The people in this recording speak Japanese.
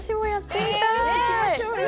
行きましょうよ。